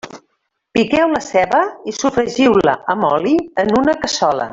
Piqueu la ceba i sofregiu-la amb oli en una cassola.